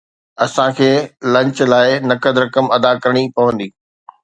اسان کي لنچ لاءِ نقد رقم ادا ڪرڻي پوندي